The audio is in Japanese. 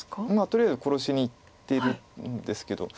とりあえず殺しにいってるんですけど。